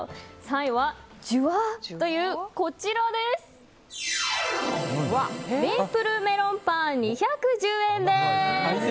３位はジュワッというメープルメロンパン２１０円です。